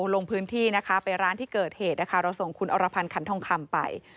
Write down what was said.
ลงพื้นที่นะคะไปร้านที่เกิดเหตุนะคะเราส่งคุณอรพันธ์ขันทองคำไป